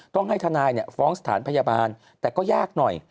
ต้องให้ทนายฟ้องสถานพยาบาลแต่ก็ยากหน่อย